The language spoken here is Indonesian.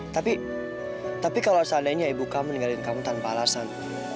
tapi tapi kalau seandainya ibu kamu meninggalkan kamu tanpa alasan